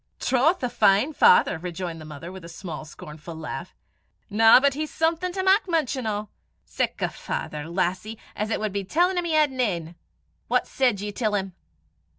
"Troth, a fine father!" rejoined the mother, with a small scornful laugh. "Na, but he's something to mak mention o'! Sic a father, lassie, as it wad be tellin' him he had nane! What said ye till 'im?"